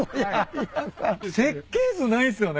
設計図ないんすよね？